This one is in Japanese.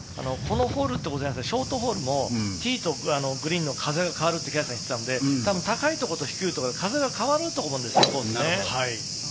このホールっていうことじゃなくショートホールもティーとグリーンの風が変わるって言ってたので、高いところと低いところで風が変わると思うんですよ。